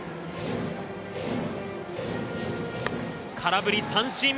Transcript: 空振り三振。